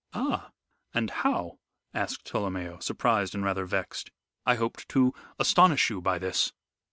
"Ah! And how?" asked Tolomeo, surprised and rather vexed. "I hoped to astonish you by this."